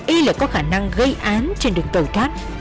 y lại có khả năng gây án trên đường tẩu thoát